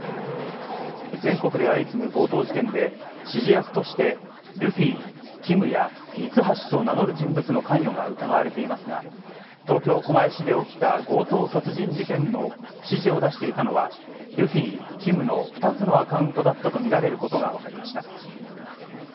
全国で相次ぐ強盗事件で、指示役としてルフィ、ＫＩＭやミツハシと名乗る人物の関与が疑われていますが、東京・狛江市で起きた強盗殺人事件の指示を出していたのは、ルフィ、ＫＩＭの２つのアカウントだったと見られることが分かりました。